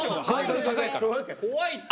怖いって。